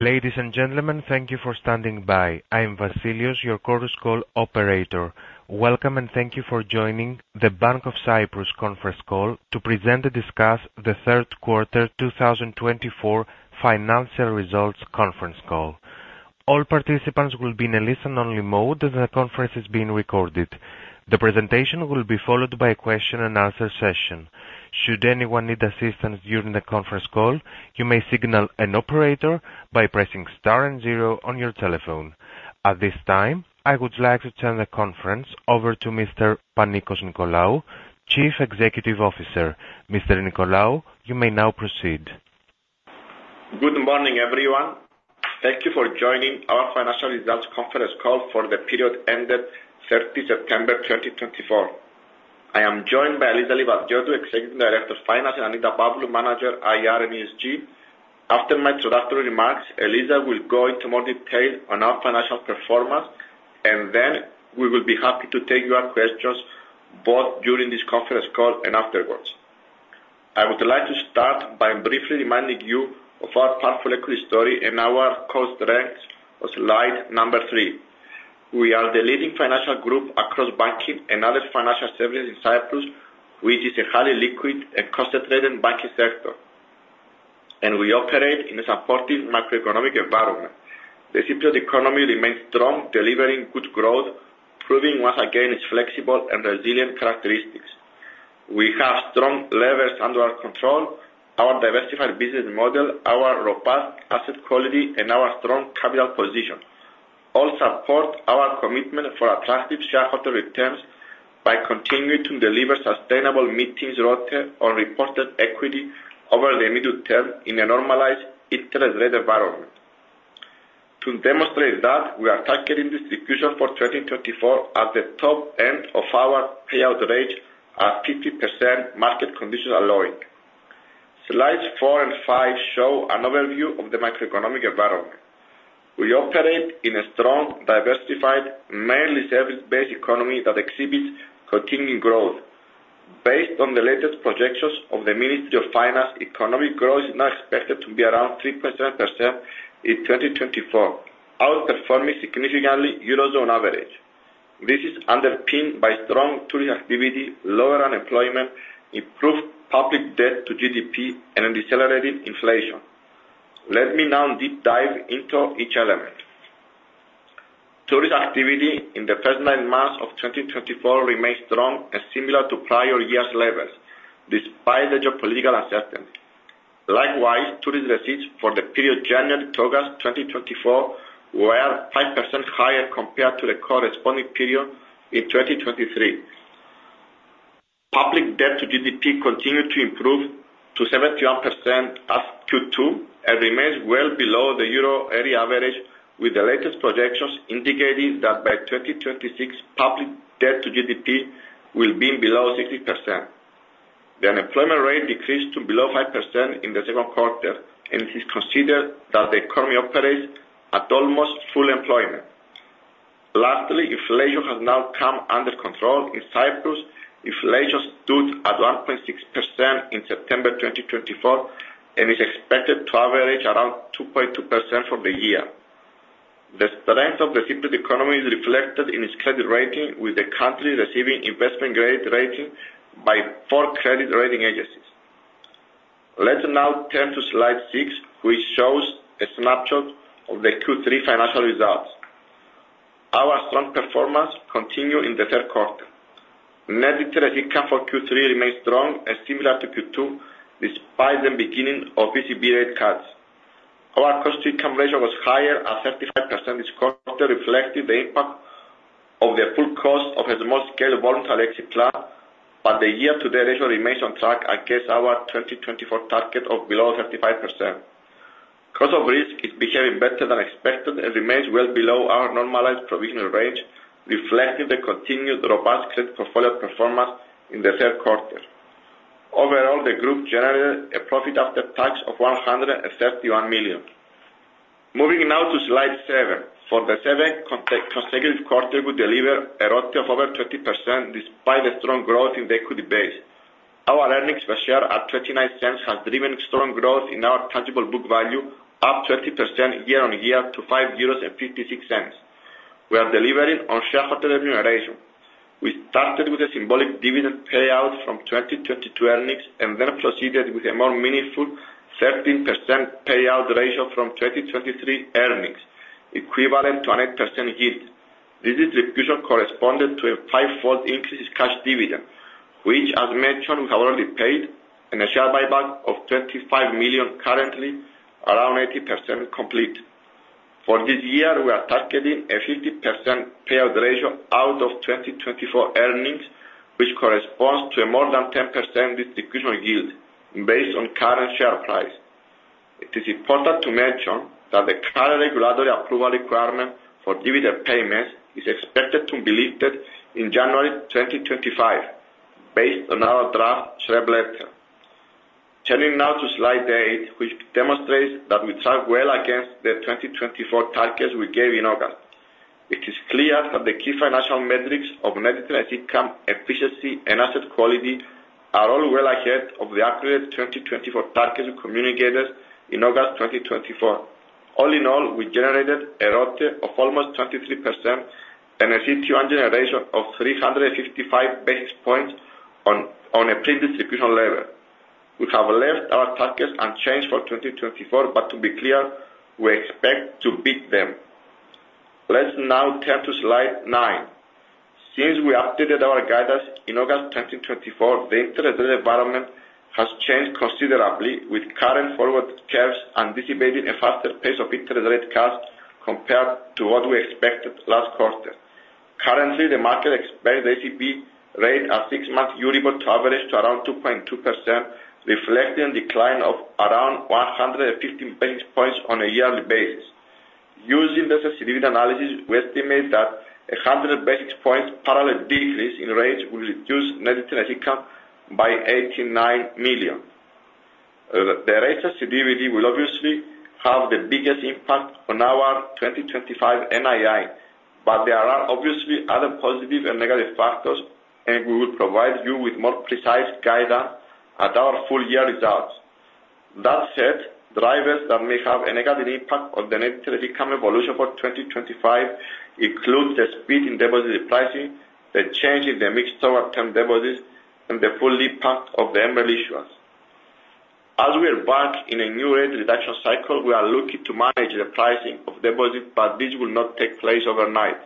Ladies and gentlemen, thank you for standing by. I am Vasilios, your Chorus Call operator. Welcome and thank you for joining the Bank of Cyprus Conference Call to present and discuss the third quarter 2024 financial results conference call. All participants will be in a listen-only mode, and the conference is being recorded. The presentation will be followed by a question-and-answer session. Should anyone need assistance during the conference call, you may signal an operator by pressing star and zero on your telephone. At this time, I would like to turn the conference over to Mr. Panicos Nicolaou, Chief Executive Officer. Mr. Nicolaou, you may now proceed. Good morning, everyone. Thank you for joining our financial results conference call for the period ended 30 September 2024. I am joined by Eliza Livadiotou, Executive Director of Finance, and Annita Pavlou, Manager, IR and ESG. After my introductory remarks, Eliza will go into more detail on our financial performance, and then we will be happy to take your questions both during this conference call and afterwards. I would like to start by briefly reminding you of our powerful equity story and our core strengths of slide number three. We are the leading financial group across banking and other financial services in Cyprus, which is a highly liquid and concentrated banking sector, and we operate in a supportive macroeconomic environment. The Cypriot economy remains strong, delivering good growth, proving once again its flexible and resilient characteristics. We have strong levers under our control, our diversified business model, our robust asset quality, and our strong capital position. All support our commitment for attractive shareholder returns by continuing to deliver sustainable mid-teens ROTE on reported equity over the medium term in a normalized interest rate environment. To demonstrate that, we are targeting distribution for 2024 at the top end of our payout range at 50%, market conditions allowing. Slides four and five show an overview of the macroeconomic environment. We operate in a strong, diversified, mainly service-based economy that exhibits continuing growth. Based on the latest projections of the Ministry of Finance, economic growth is now expected to be around 3.7% in 2024, outperforming significantly Eurozone average. This is underpinned by strong tourist activity, lower unemployment, improved public debt to GDP, and decelerating inflation. Let me now deep dive into each element. Tourist activity in the first nine months of 2024 remains strong and similar to prior year's levels, despite the geopolitical uncertainty. Likewise, tourist receipts for the period January to August 2024 were 5% higher compared to the corresponding period in 2023. Public debt to GDP continued to improve to 71% as Q2 and remains well below the euro area average, with the latest projections indicating that by 2026, public debt to GDP will be below 60%. The unemployment rate decreased to below 5% in the second quarter, and it is considered that the economy operates at almost full employment. Lastly, inflation has now come under control in Cyprus. Inflation stood at 1.6% in September 2024 and is expected to average around 2.2% for the year. The strength of the Cypriot economy is reflected in its credit rating, with the country receiving investment-grade rating by four credit rating agencies. Let's now turn to slide six, which shows a snapshot of the Q3 financial results. Our strong performance continued in the third quarter. Net interest income for Q3 remains strong and similar to Q2, despite the beginning of ECB rate cuts. Our cost-to-income ratio was higher at 35% this quarter, reflecting the impact of the full cost of a small-scale voluntary exit plan, but the year-to-date ratio remains on track against our 2024 target of below 35%. Cost of risk is behaving better than expected and remains well below our normalized provisional range, reflecting the continued robust credit portfolio performance in the third quarter. Overall, the group generated a profit after tax of 131 million. Moving now to slide seven. For the seventh consecutive quarter, we delivered a ROTE of over 20% despite the strong growth in the equity base. Our earnings per share at 0.29 has driven strong growth in our tangible book value, up 20% year-on-year to 5.56 euros. We are delivering on shareholder remuneration. We started with a symbolic dividend payout from 2022 earnings and then proceeded with a more meaningful 13% payout ratio from 2023 earnings, equivalent to an 8% yield. This distribution corresponded to a five-fold increase in cash dividend, which, as mentioned, we have already paid, and a share buyback of 25 million currently, around 80% complete. For this year, we are targeting a 50% payout ratio out of 2024 earnings, which corresponds to a more than 10% distribution yield based on current share price. It is important to mention that the current regulatory approval requirement for dividend payments is expected to be lifted in January 2025, based on our draft SREP. Turning now to slide eight, which demonstrates that we track well against the 2024 targets we gave in August. It is clear that the key financial metrics of net interest income, efficiency, and asset quality are all well ahead of the accurate 2024 targets we communicated in August 2024. All in all, we generated a ROTE of almost 23% and a CET1 generation of 355 basis points on a pre-distribution level. We have left our targets unchanged for 2024, but to be clear, we expect to beat them. Let's now turn to slide nine. Since we updated our guidance in August 2024, the interest rate environment has changed considerably, with current forward curves anticipating a faster pace of interest rate cuts compared to what we expected last quarter. Currently, the market expects the ECB rate at six-month Euribor to average to around 2.2%, reflecting a decline of around 115 basis points on a yearly basis. Using this as a baseline analysis, we estimate that a 100 basis points parallel decrease in rates will reduce net interest income by €89 million. The rate sensitivity will obviously have the biggest impact on our 2025 NII, but there are obviously other positive and negative factors, and we will provide you with more precise guidance at our full year results. That said, drivers that may have a negative impact on the net interest income evolution for 2025 include the spread in deposit pricing, the change in the mix of time deposits, and the full ramp-up of the MREL issuance. As we embark on a new rate reduction cycle, we are looking to manage the pricing of deposits, but this will not take place overnight.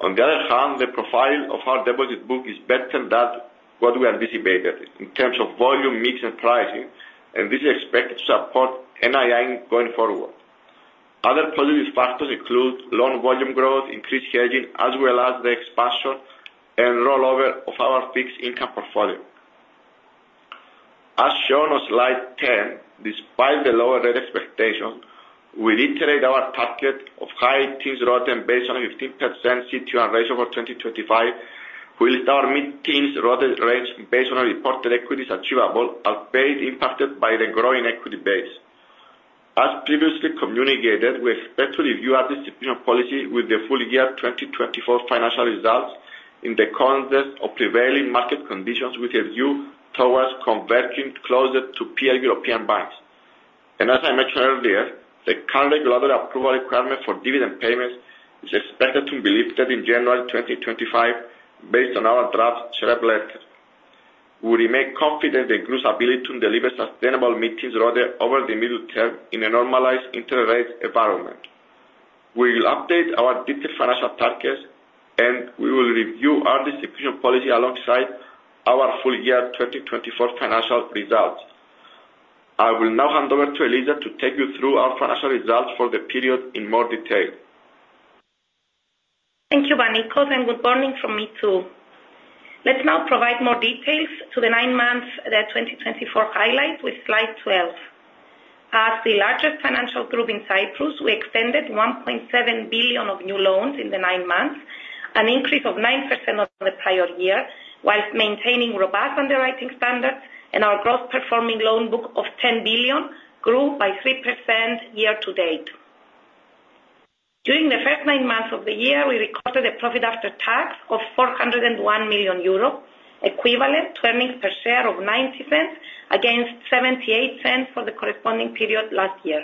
On the other hand, the profile of our deposit book is better than what we anticipated in terms of volume, mix, and pricing, and this is expected to support NII going forward. Other positive factors include loan volume growth, increased hedging, as well as the expansion and rollover of our fixed income portfolio. As shown on slide 10, despite the lower rate expectations, we reiterate our target of high-teens ROTE based on a 15% CET1 ratio for 2025, which is our mid-teens ROTE range based on our reported equity's achievable, albeit impacted by the growing equity base. As previously communicated, we expect to review our distribution policy with the full year 2024 financial results in the context of prevailing market conditions, with a view towards converging closer to peer European banks. As I mentioned earlier, the current regulatory approval requirement for dividend payments is expected to be lifted in January 2025, based on our draft SREP. We remain confident in the group's ability to deliver sustainable mid-teens ROTE over the medium term in a normalized interest rate environment. We will update our detailed financial targets, and we will review our distribution policy alongside our full year 2024 financial results. I will now hand over to Eliza to take you through our financial results for the period in more detail. Thank you, Panicos, and good morning from me too. Let's now provide more details to the nine months that 2024 highlights with slide 12. As the largest financial group in Cyprus, we extended 1.7 billion of new loans in the nine months, an increase of 9% over the prior year, while maintaining robust underwriting standards, and our gross performing loan book of 10 billion grew by 3% year to date. During the first nine months of the year, we recorded a profit after tax of 401 million euro, equivalent to earnings per share of 0.90 against 0.78 for the corresponding period last year.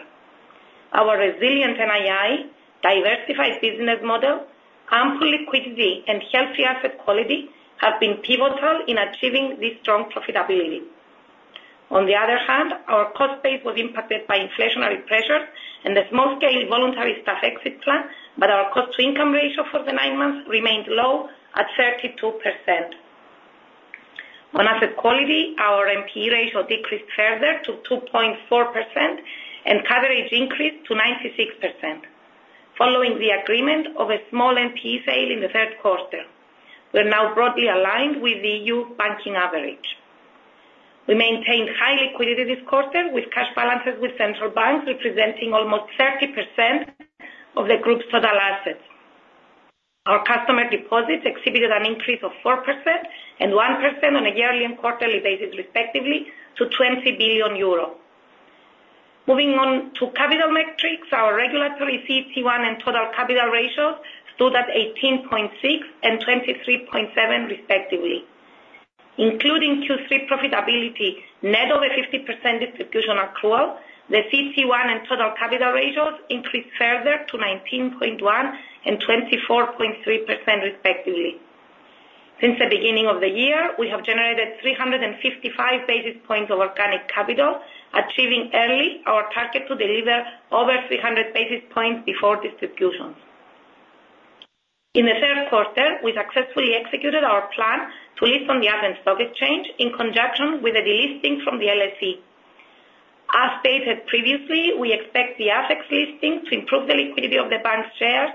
Our resilient NII, diversified business model, ample liquidity, and healthy asset quality have been pivotal in achieving this strong profitability. On the other hand, our cost base was impacted by inflationary pressures and the small-scale voluntary staff exit plan, but our cost-to-income ratio for the nine months remained low at 32%. On asset quality, our NPE ratio decreased further to 2.4% and coverage increased to 96%, following the agreement of a small NPE sale in the third quarter. We are now broadly aligned with the EU banking average. We maintained high liquidity this quarter, with cash balances with central banks representing almost 30% of the group's total assets. Our customer deposits exhibited an increase of 4% and 1% on a yearly and quarterly basis, respectively, to 20 billion euro. Moving on to capital metrics, our regulatory CET1 and total capital ratios stood at 18.6 and 23.7, respectively. Including Q3 profitability, net over 50% distribution accrual, the CET1 and total capital ratios increased further to 19.1 and 24.3%, respectively. Since the beginning of the year, we have generated 355 basis points of organic capital, achieving early our target to deliver over 300 basis points before distribution. In the third quarter, we successfully executed our plan to list on the Athens Stock Exchange in conjunction with the delisting from the LSE. As stated previously, we expect the ASE listing to improve the liquidity of the bank's shares,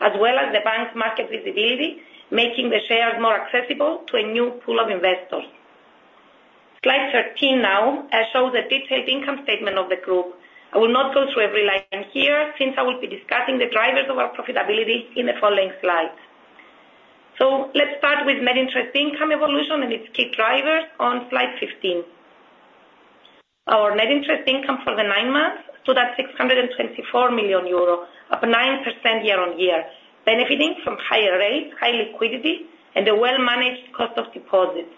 as well as the bank's market visibility, making the shares more accessible to a new pool of investors. Slide 13 now shows a detailed income statement of the group. I will not go through every line here since I will be discussing the drivers of our profitability in the following slides. So let's start with net interest income evolution and its key drivers on slide 15. Our net interest income for the nine months stood at 624 million euro, up 9% year-on-year, benefiting from higher rates, high liquidity, and a well-managed cost of deposits.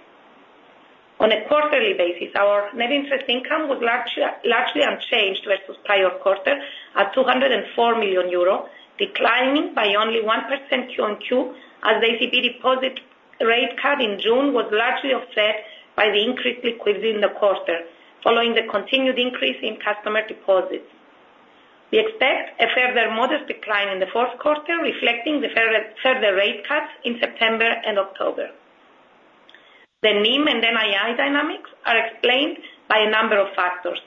On a quarterly basis, our net interest income was largely unchanged versus prior quarter at 204 million euro, declining by only 1% Q on Q, as the ECB deposit rate cut in June was largely offset by the increased liquidity in the quarter, following the continued increase in customer deposits. We expect a further modest decline in the fourth quarter, reflecting the further rate cuts in September and October. The NIM and NII dynamics are explained by a number of factors.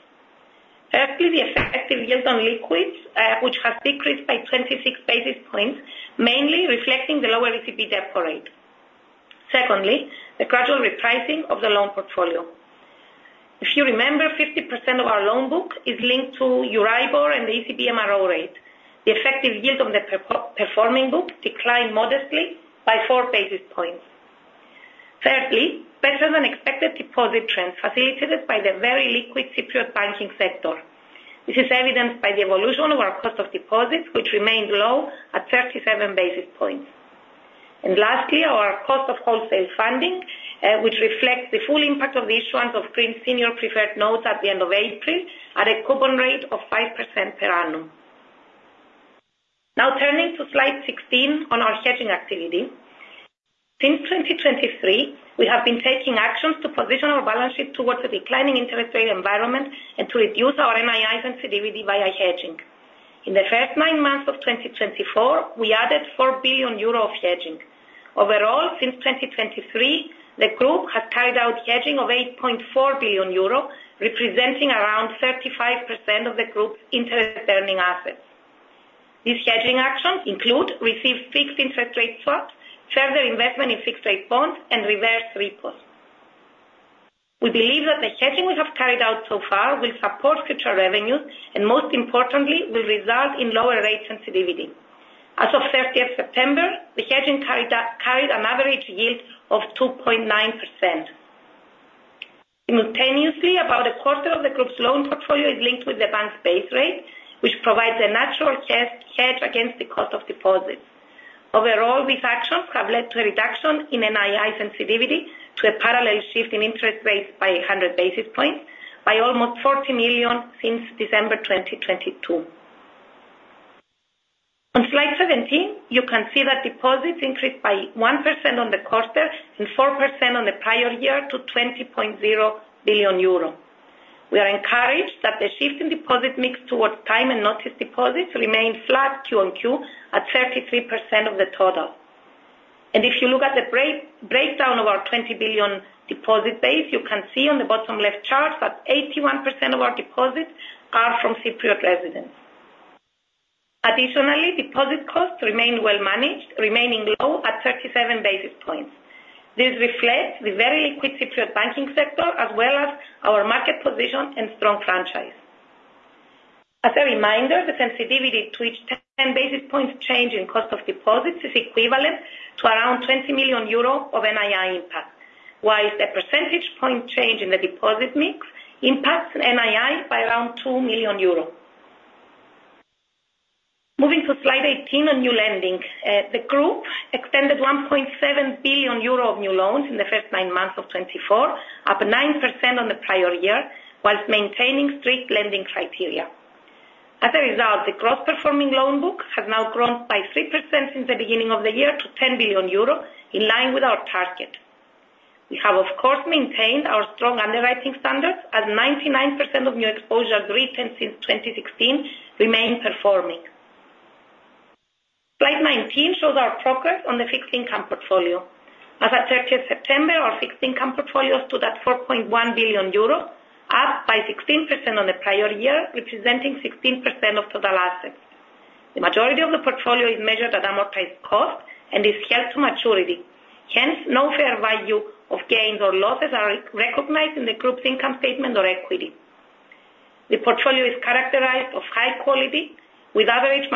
Firstly, the effective yield on liquids, which has decreased by 26 basis points, mainly reflecting the lower ECB deposit rate. Secondly, the gradual repricing of the loan portfolio. If you remember, 50% of our loan book is linked to Euribor and the ECB MRO rate. The effective yield on the performing book declined modestly by four basis points. Thirdly, better than expected deposit trends facilitated by the very liquid Cypriot banking sector. This is evidenced by the evolution of our cost of deposits, which remained low at 37 basis points. And lastly, our cost of wholesale funding, which reflects the full impact of the issuance of green senior preferred notes at the end of April at a coupon rate of 5% per annum. Now turning to slide 16 on our hedging activity. Since 2023, we have been taking actions to position our balance sheet towards a declining interest rate environment and to reduce our NII sensitivity via hedging. In the first nine months of 2024, we added 4 billion euro of hedging. Overall, since 2023, the group has carried out hedging of 8.4 billion euro, representing around 35% of the group's interest-bearing assets. These hedging actions include received fixed interest rate swaps, further investment in fixed-rate bonds, and reverse repos. We believe that the hedging we have carried out so far will support future revenues and, most importantly, will result in lower rate sensitivity. As of 30th September, the hedging carried an average yield of 2.9%. Simultaneously, about a quarter of the group's loan portfolio is linked with the bank's base rate, which provides a natural hedge against the cost of deposits. Overall, these actions have led to a reduction in NII sensitivity to a parallel shift in interest rates by 100 basis points, by almost 40 million since December 2022. On slide 17, you can see that deposits increased by 1% on the quarter and 4% on the prior year to 20.0 billion euro. We are encouraged that the shift in deposit mix towards time and notice deposits remains flat Q on Q at 33% of the total. And if you look at the breakdown of our 20 billion deposit base, you can see on the bottom left chart that 81% of our deposits are from Cypriot residents. Additionally, deposit costs remain well managed, remaining low at 37 basis points. This reflects the very liquid Cypriot banking sector, as well as our market position and strong franchise. As a reminder, the sensitivity to each 10 basis point change in cost of deposits is equivalent to around 20 million euro of NII impact, while a percentage point change in the deposit mix impacts NII by around 2 million euros. Moving to slide 18 on new lending, the group extended 1.7 billion euro of new loans in the first nine months of 2024, up 9% on the prior year, while maintaining strict lending criteria. As a result, the gross performing loan book has now grown by 3% since the beginning of the year to 10 billion euro, in line with our target. We have, of course, maintained our strong underwriting standards as 99% of new exposure agreed since 2016 remain performing. Slide 19 shows our progress on the fixed income portfolio. As of 30th September, our fixed income portfolio stood at 4.1 billion euro, up by 16% on the prior year, representing 16% of total assets. The majority of the portfolio is measured at amortized cost and is held to maturity. Hence, no fair value of gains or losses are recognized in the group's income statement or equity. The portfolio is characterized as high quality, with average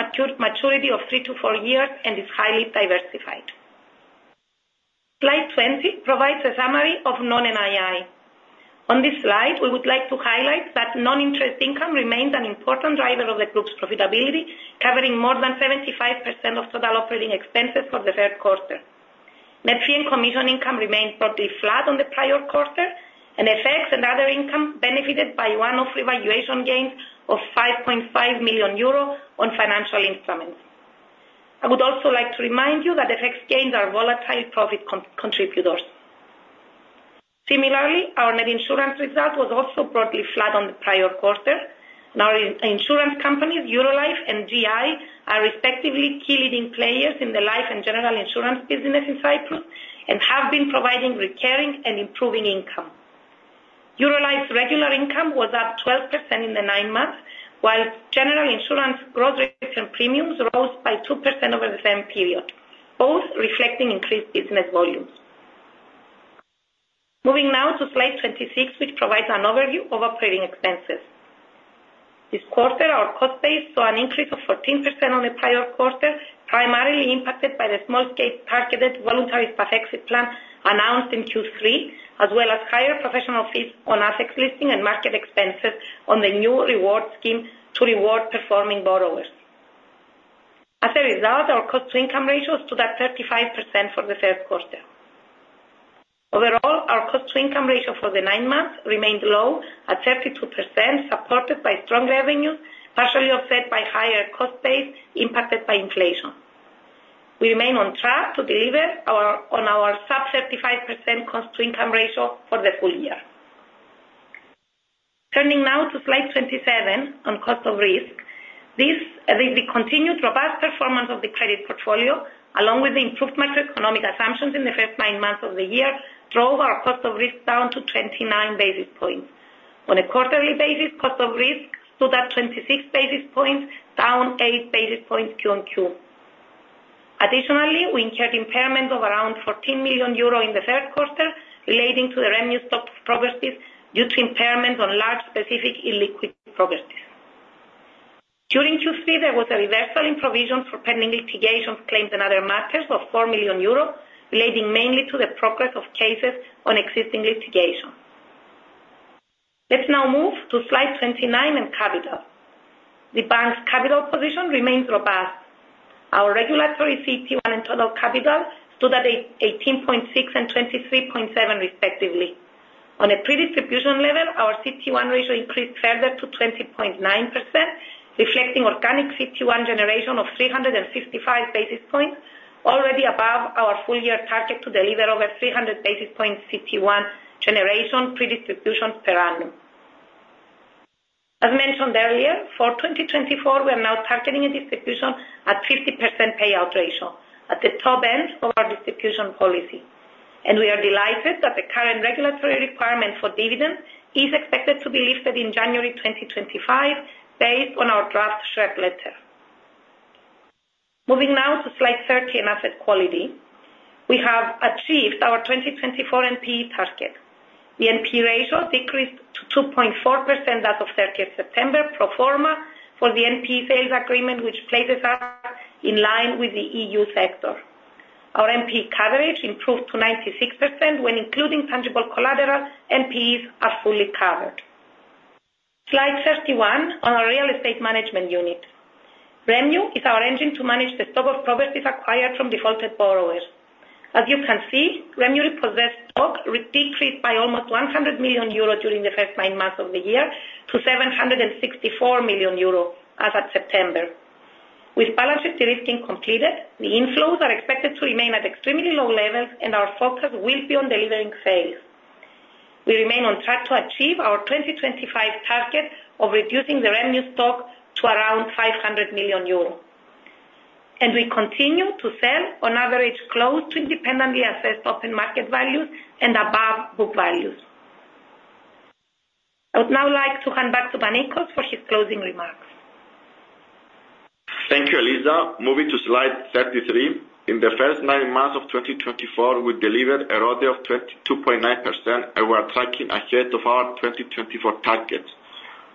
maturity of three to four years, and is highly diversified. Slide 20 provides a summary of non-NII. On this slide, we would like to highlight that non-interest income remains an important driver of the group's profitability, covering more than 75% of total operating expenses for the third quarter. Net fee and commission income remained totally flat on the prior quarter, and FX and other income benefited from one-off revaluation gains of 5.5 million euro on financial instruments. I would also like to remind you that FX gains are volatile profit contributors. Similarly, our net insurance result was also broadly flat on the prior quarter. Our insurance companies, Eurolife and GI, are respectively key leading players in the life and general insurance business in Cyprus and have been providing recurring and improving income. Eurolife's regular income was up 12% in the nine months, while general insurance gross return premiums rose by 2% over the same period, both reflecting increased business volumes. Moving now to slide 26, which provides an overview of operating expenses. This quarter, our cost base saw an increase of 14% on the prior quarter, primarily impacted by the small-scale targeted voluntary staff exit plan announced in Q3, as well as higher professional fees on ATHEX listing and market expenses on the new reward scheme to reward performing borrowers. As a result, our cost-to-income ratio stood at 35% for the third quarter. Overall, our cost-to-income ratio for the nine months remained low at 32%, supported by strong revenues, partially offset by higher cost base impacted by inflation. We remain on track to deliver on our sub-35% cost-to-income ratio for the full year. Turning now to slide 27 on cost of risk. The continued robust performance of the credit portfolio, along with the improved macroeconomic assumptions in the first nine months of the year, drove our cost of risk down to 29 basis points. On a quarterly basis, cost of risk stood at 26 basis points, down 8 basis points Q on Q. Additionally, we incurred impairment of around 14 million euro in the third quarter, relating to the REMU stock properties due to impairment on large specific illiquid properties. During Q3, there was a reversal in provision for pending litigation claims and other matters of 4 million euros, relating mainly to the progress of cases on existing litigation. Let's now move to slide 29 and capital. The bank's capital position remains robust. Our regulatory CET1 and total capital stood at 18.6 and 23.7, respectively. On a predistribution level, our CET1 ratio increased further to 20.9%, reflecting organic CET1 generation of 355 basis points, already above our full-year target to deliver over 300 basis points CET1 generation predistribution per annum. As mentioned earlier, for 2024, we are now targeting a distribution at 50% payout ratio at the top end of our distribution policy, and we are delighted that the current regulatory requirement for dividend is expected to be lifted in January 2025, based on our draft SREP letter. Moving now to slide 30 and asset quality. We have achieved our 2024 NPE target. The NPE ratio decreased to 2.4% as of 30th September, pro forma for the NPE sales agreement, which places us in line with the EU sector. Our NPE coverage improved to 96% when including tangible collateral. NPEs are fully covered. Slide 31 on our real estate management unit. REMU is our engine to manage the stock of properties acquired from defaulted borrowers. As you can see, REMU repossessed stock decreased by almost 100 million euro during the first nine months of the year to 764 million euro as of September. With balance sheet de-risking completed, the inflows are expected to remain at extremely low levels, and our focus will be on delivering sales. We remain on track to achieve our 2025 target of reducing the REMU stock to around 500 million euros, and we continue to sell on average close to independently assessed open market values and above book values. I would now like to hand back to Panicos for his closing remarks. Thank you, Eliza. Moving to slide 33. In the first nine months of 2024, we delivered a ROE of 22.9%, and we are tracking ahead of our 2024 target.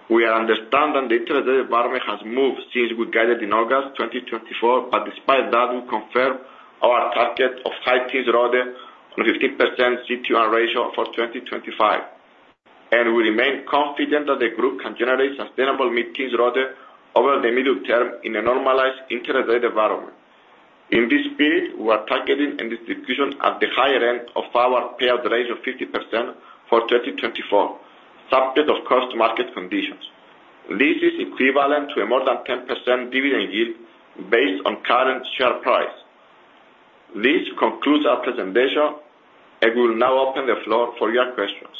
We are understanding the interest rate environment has moved since we guided in August 2024, but despite that, we confirm our target of high-teens ROE on 15% CT1 ratio for 2025. And we remain confident that the group can generate sustainable mid-teens ROE over the middle term in a normalized interest rate environment. In this period, we are targeting a distribution at the higher end of our payout ratio of 50% for 2024, subject to capital market conditions. This is equivalent to a more than 10% dividend yield based on current share price. This concludes our presentation, and we will now open the floor for your questions.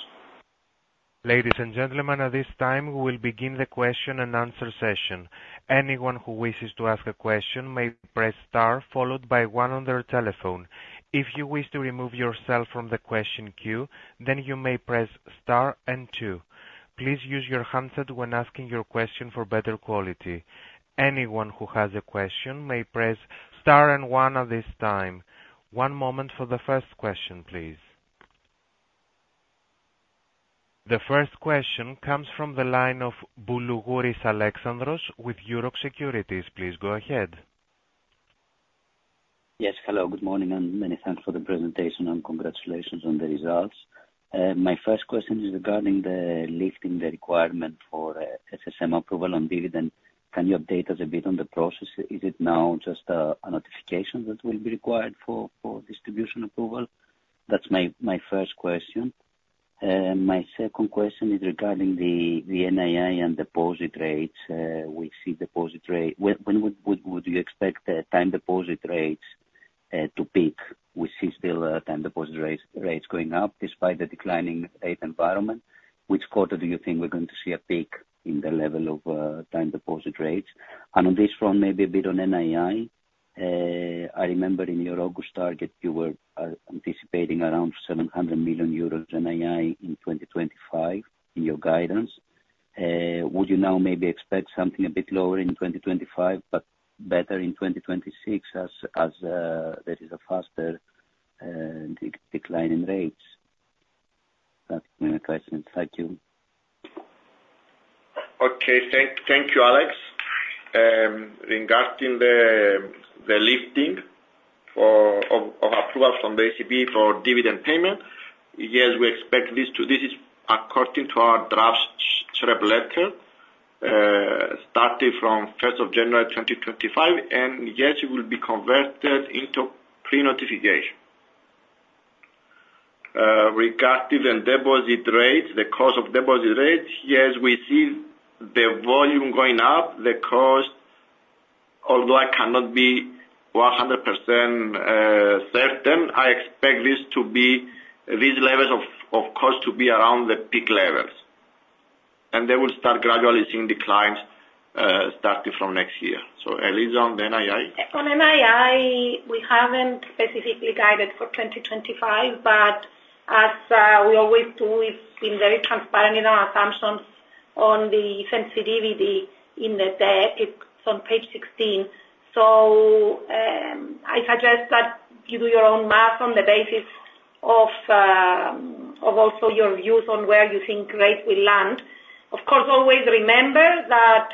Ladies and gentlemen, at this time, we will begin the question and answer session. Anyone who wishes to ask a question may press star followed by one on their telephone. If you wish to remove yourself from the question queue, then you may press star and two. Please use your handset when asking your question for better quality. Anyone who has a question may press star and one at this time. One moment for the first question, please. The first question comes from the line of Alexandros Boulougouris with Euroxx Securities. Please go ahead. Yes, hello, good morning, and many thanks for the presentation, and congratulations on the results. My first question is regarding the lifting the requirement for SSM approval on dividend. Can you update us a bit on the process? Is it now just a notification that will be required for distribution approval? That's my first question. My second question is regarding the NII and deposit rates. We see deposit rate. When would you expect time deposit rates to peak? We still see time deposit rates going up despite the declining rate environment. Which quarter do you think we're going to see a peak in the level of time deposit rates? And on this front, maybe a bit on NII. I remember in your August target, you were anticipating around 700 million euros NII in 2025 in your guidance. Would you now maybe expect something a bit lower in 2025, but better in 2026 as there is a faster decline in rates? That's my question. Thank you. Okay, thank you, Alexandros. Regarding the lifting of approvals from the ECB for dividend payment, yes, we expect this to—this is according to our draft SREP letter starting from 1st of January 2025, and yes, it will be converted into pre-notification. Regarding the deposit rates, the cost of deposit rates, yes, we see the volume going up. The cost, although I cannot be 100% certain, I expect these levels of cost to be around the peak levels, and they will start gradually seeing declines starting from next year, so, Eliza, on the NII? On NII, we haven't specifically guided for 2025, but as we always do, we've been very transparent in our assumptions on the sensitivity in the debt. It's on page 16, so I suggest that you do your own math on the basis of also your views on where you think rates will land. Of course, always remember that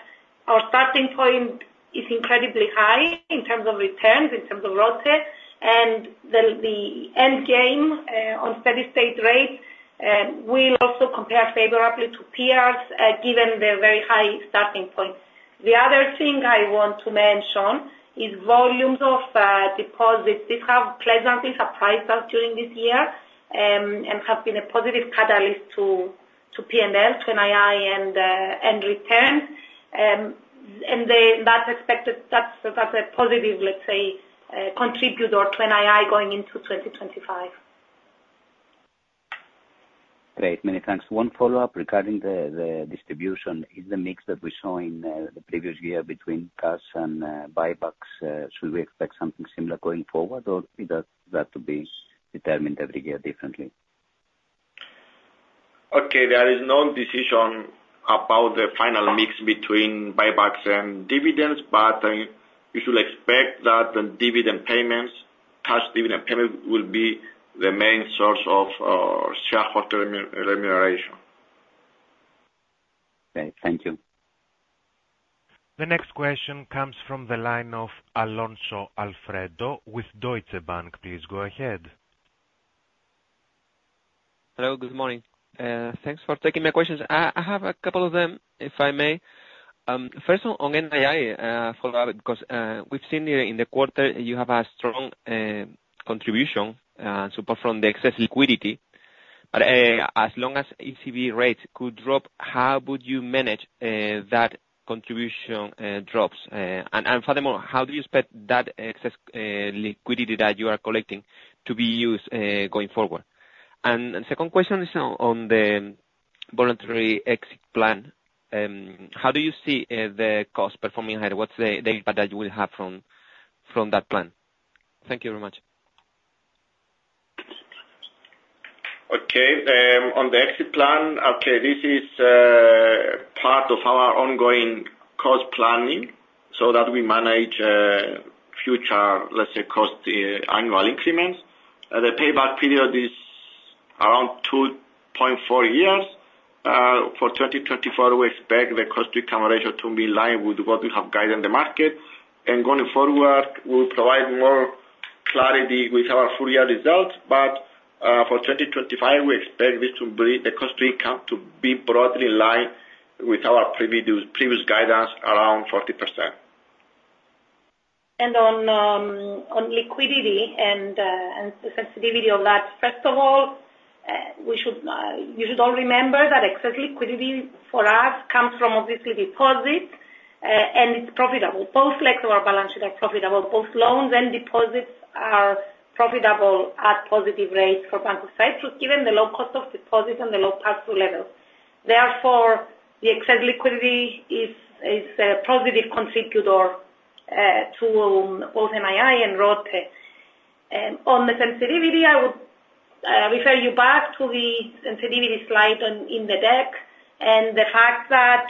our starting point is incredibly high in terms of returns, in terms of ROTE, and the end game on steady-state rates will also compare favorably to peers given the very high starting point. The other thing I want to mention is volumes of deposits. These have pleasantly surprised us during this year and have been a positive catalyst to P&L, to NII, and returns, and that's a positive, let's say, contributor to NII going into 2025. Great, many thanks. One follow-up regarding the distribution. Is the mix that we saw in the previous year between Cash and BiBACs, should we expect something similar going forward, or is that to be determined every year differently? Okay, there is no decision about the final mix between BIBACS and dividends, but you should expect that the dividend payments, cash dividend payments, will be the main source of shareholder remuneration. Okay, thank you. The next question comes from the line of Alfredo Alonso with Deutsche Bank. Please go ahead. Hello, good morning. Thanks for taking my questions. I have a couple of them, if I may. First, on NII, a follow-up, because we've seen in the quarter you have a strong contribution support from the excess liquidity, but as long as ECB rates could drop, how would you manage that contribution drops? And furthermore, how do you expect that excess liquidity that you are collecting to be used going forward? And the second question is on the voluntary exit plan. How do you see the cost performing higher? What's the impact that you will have from that plan? Thank you very much. Okay, on the exit plan, okay, this is part of our ongoing cost planning so that we manage future, let's say, cost annual increments. The payback period is around 2.4 years. For 2024, we expect the cost-to-income ratio to be in line with what we have guided in the market, and going forward, we'll provide more clarity with our full-year results. But for 2025, we expect the cost to be broadly in line with our previous guidance around 40%. On liquidity and sensitivity on that, first of all, you should all remember that excess liquidity for us comes from, obviously, deposits, and it's profitable. Both legs of our balance sheet are profitable. Both loans and deposits are profitable at positive rates for Bank of Cyprus, given the low cost of deposits and the low pass-through levels. Therefore, the excess liquidity is a positive contributor to both NII and ROTE. On the sensitivity, I would refer you back to the sensitivity slide in the deck and the fact that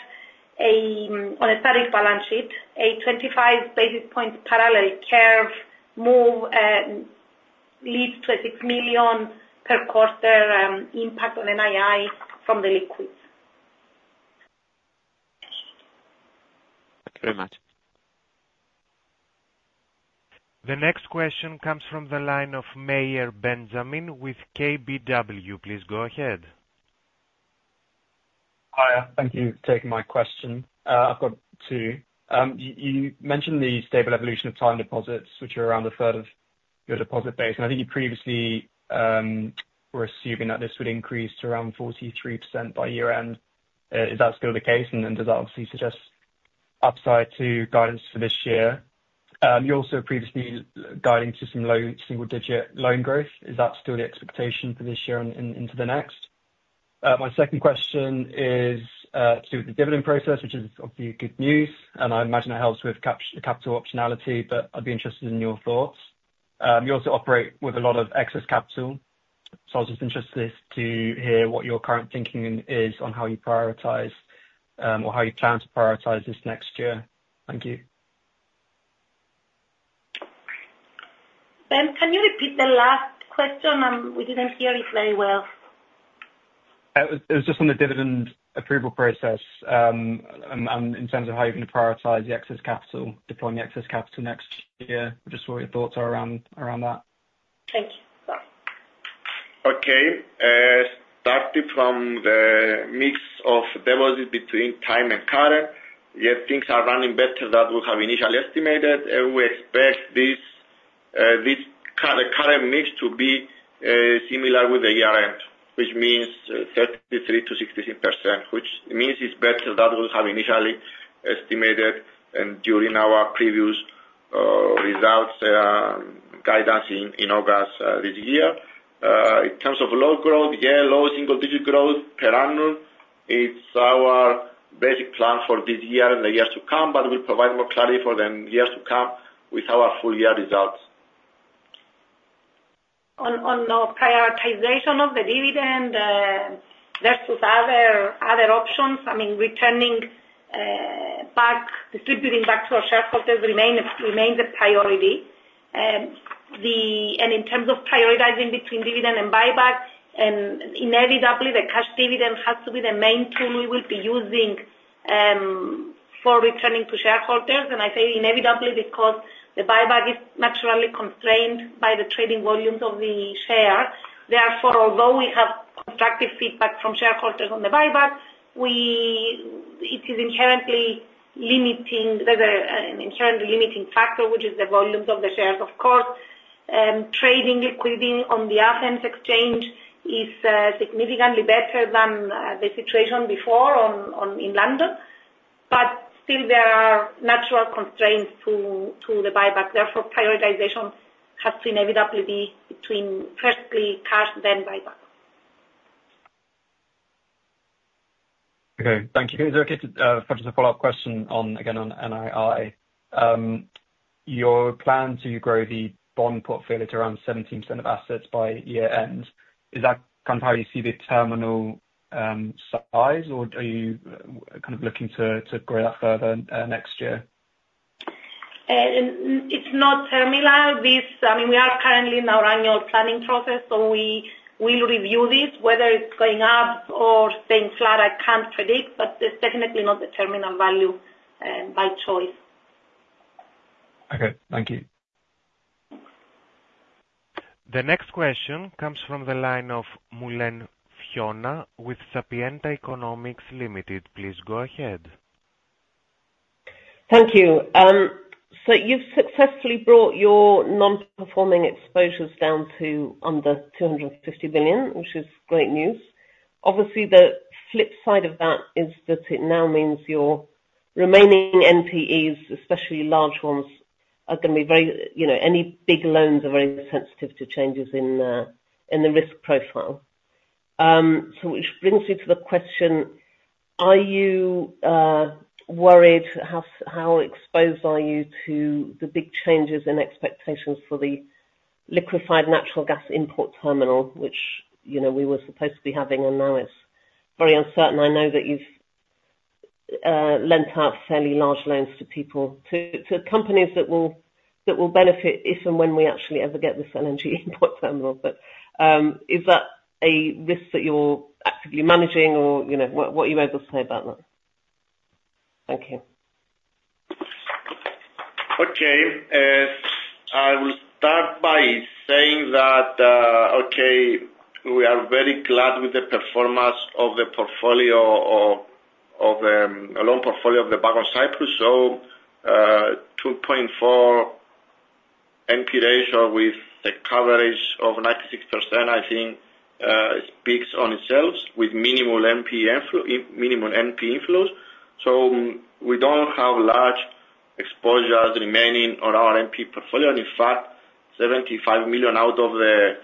on a static balance sheet, a 25 basis points parallel curve move leads to a €6 million per quarter impact on NII from the liquidity. Thank you very much. The next question comes from the line of Ben Mayer with KBW. Please go ahead. Hi, thank you for taking my question. I've got two. You mentioned the stable evolution of time deposits, which are around a third of your deposit base. And I think you previously were assuming that this would increase to around 43% by year-end. Is that still the case? And does that obviously suggest upside to guidance for this year? You also previously guided to some low single-digit loan growth. Is that still the expectation for this year and into the next? My second question is to do with the dividend process, which is obviously good news. And I imagine it helps with capital optionality, but I'd be interested in your thoughts. You also operate with a lot of excess capital. So I was just interested to hear what your current thinking is on how you prioritize or how you plan to prioritize this next year. Thank you. Can you repeat the last question? We didn't hear it very well. It was just on the dividend approval process and in terms of how you're going to prioritize the excess capital, deploying excess capital next year. Just what your thoughts are around that. Thank you. Okay, starting from the mix of deposits between time and current, yet things are running better than we have initially estimated. We expect this current mix to be similar with the year-end, which means 33%-60%, which means it's better than we have initially estimated and during our previous results guidance in August this year. In terms of low growth, you know, single-digit growth per annum, it's our basic plan for this year and the years to come, but we'll provide more clarity for the years to come with our full-year results. On the prioritization of the dividend versus other options, I mean, returning back, distributing back to our shareholders remains a priority. And in terms of prioritizing between dividend and buyback, inevitably, the cash dividend has to be the main tool we will be using for returning to shareholders. And I say inevitably because the buyback is naturally constrained by the trading volumes of the share. Therefore, although we have constructive feedback from shareholders on the buyback, it is inherently limiting, an inherently limiting factor, which is the volumes of the shares. Of course, trading liquidity on the Athens exchange is significantly better than the situation before in London. But still, there are natural constraints to the buyback. Therefore, prioritization has to inevitably be between, firstly, cash, then buyback. Okay, thank you. Okay, just a follow-up question on, again, on NII. Your plan to grow the bond portfolio to around 17% of assets by year-end. Is that kind of how you see the terminal size, or are you kind of looking to grow that further next year? It's not terminal. I mean, we are currently in our annual planning process, so we will review this. Whether it's going up or staying flat, I can't predict, but it's definitely not the terminal value by choice. Okay, thank you. The next question comes from the line of Fiona Mullen with Sapienta Economics. Please go ahead. Thank you. So you've successfully brought your non-performing exposures down to under 250 million, which is great news. Obviously, the flip side of that is that it now means your remaining NPEs, especially large ones, are going to be very. Any big loans are very sensitive to changes in the risk profile. So which brings me to the question, are you worried? How exposed are you to the big changes in expectations for the liquefied natural gas import terminal, which we were supposed to be having, and now it's very uncertain? I know that you've lent out fairly large loans to companies that will benefit if and when we actually ever get this energy import terminal. But is that a risk that you're actively managing, or what are you able to say about that? Thank you. Okay, I will start by saying that we are very glad with the performance of the loan portfolio of the Bank of Cyprus. 2.4 NP ratio with a coverage of 96%, I think, speaks for itself with minimal NP inflows. We don't have large exposures remaining on our NP portfolio. In fact, 75 million out of the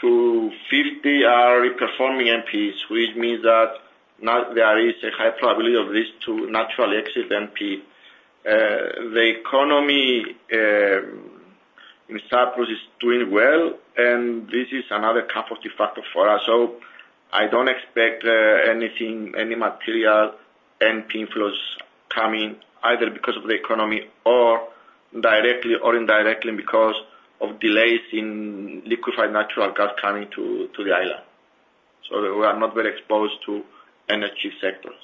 250 million are performing NPs, which means that there is a high probability of this to naturally exit NP. The economy in Cyprus is doing well, and this is another comforting factor for us. I don't expect any material NP inflows coming either because of the economy or directly or indirectly because of delays in liquefied natural gas coming to the island. We are not very exposed to energy sectors.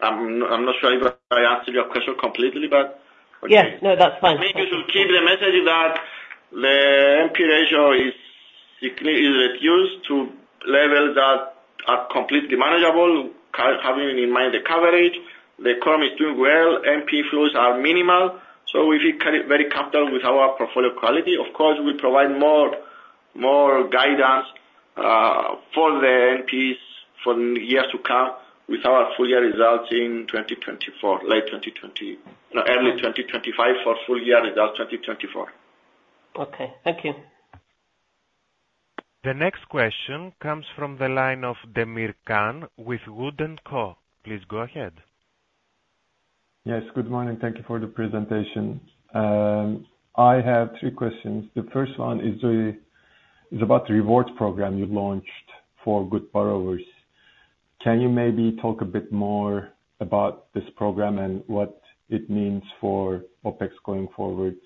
I'm not sure if I answered your question completely, but. Yes, no, that's fine. I mean, you should keep the message that the NP ratio is reduced to levels that are completely manageable, having in mind the coverage. The economy is doing well. NP inflows are minimal. So we feel very comfortable with our portfolio quality. Of course, we provide more guidance for the NPs for years to come with our full-year results in 2024, late 2024, early 2025 for full-year results 2024. Okay, thank you. The next question comes from the line of Can Demir with Wood & Co. Please go ahead. Yes, good morning. Thank you for the presentation. I have three questions. The first one is about the reward program you launched for good borrowers. Can you maybe talk a bit more about this program and what it means for OpEx going forward,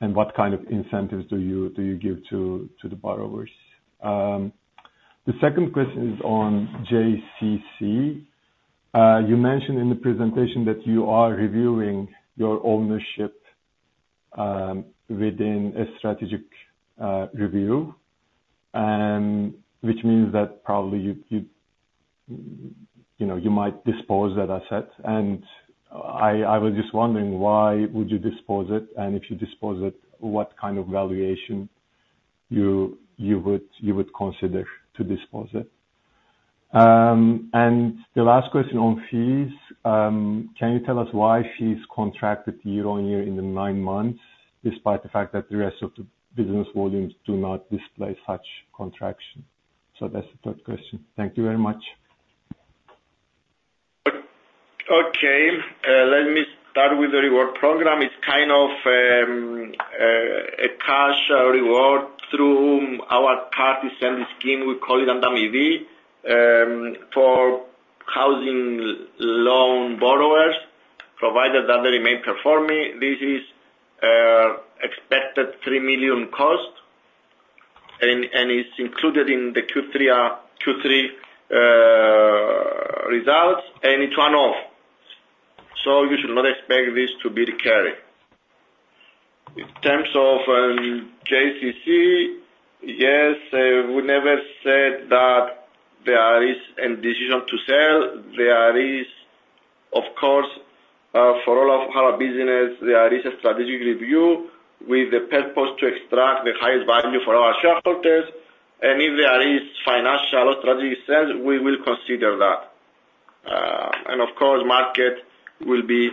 and what kind of incentives do you give to the borrowers? The second question is on JCC. You mentioned in the presentation that you are reviewing your ownership within a strategic review, which means that probably you might dispose of that asset. I was just wondering, why would you dispose of it? And if you dispose of it, what kind of valuation you would consider to dispose of it? And the last question on fees. Can you tell us why fees contracted year-on-year in the nine months, despite the fact that the rest of the business volumes do not display such contraction? That's the third question. Thank you very much. Okay, let me start with the reward program. It's kind of a cash reward through our antamivi Scheme. We call it antamivi for housing loan borrowers, provided that they remain performing. This is expected 3 million cost, and it's included in the Q3 results, and it's one-off. You should not expect this to be recurring. In terms of JCC, yes, we never said that there is a decision to sell. There is, of course, for all of our business, there is a strategic review with the purpose to extract the highest value for our shareholders, and if there is financial or strategic sales, we will consider that, and of course, market will be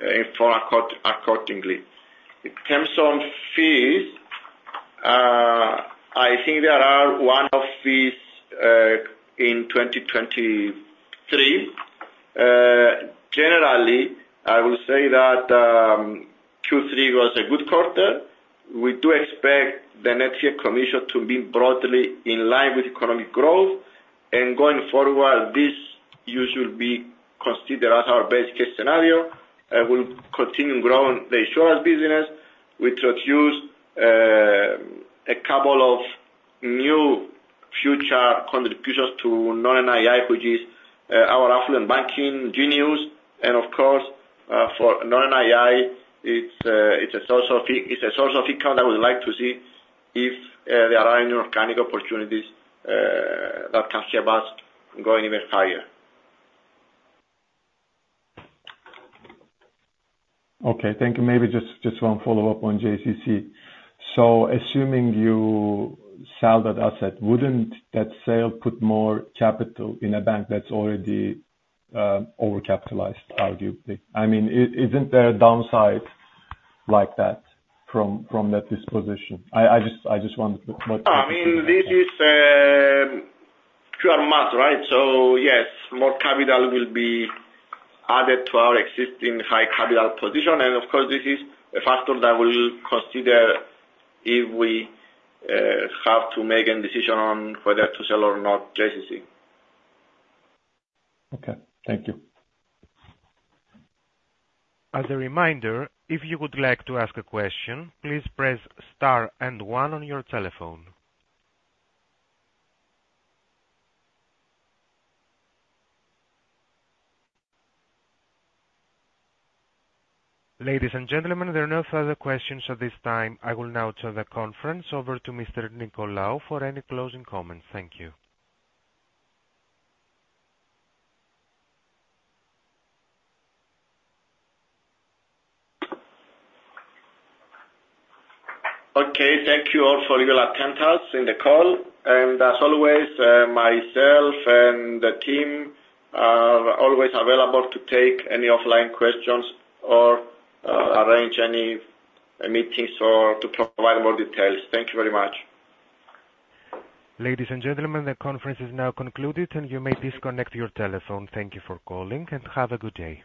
informed accordingly. In terms of fees, I think there are one-off fees in 2023. Generally, I will say that Q3 was a good quarter. We do expect the net year commission to be broadly in line with economic growth, and going forward, this should be considered as our base case scenario. We'll continue growing the insurance business. We introduced a couple of new future contributions to non-NII, which is our affluent banking, Genius, and of course, for non-NII, it's a source of income that we'd like to see if there are any organic opportunities that can see us going even higher. Okay, thank you. Maybe just one follow-up on JCC. So assuming you sell that asset, wouldn't that sale put more capital in a bank that's already overcapitalized, arguably? I mean, isn't there a downside like that from that disposition? I just wondered what you think. I mean, this is QRMAS, right? So yes, more capital will be added to our existing high capital position. And of course, this is a factor that we will consider if we have to make a decision on whether to sell or not JCC. Okay, thank you. As a reminder, if you would like to ask a question, please press star and one on your telephone. Ladies and gentlemen, there are no further questions at this time. I will now turn the conference over to Mr. Nicolaou for any closing comments. Thank you. Okay, thank you all for your attendance in the call. And as always, myself and the team are always available to take any offline questions or arrange any meetings or to provide more details. Thank you very much. Ladies and gentlemen, the conference is now concluded, and you may disconnect your telephone. Thank you for calling, and have a good day.